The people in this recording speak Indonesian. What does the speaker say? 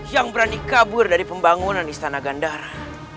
yang berani kabur dari pembangunan istana gandara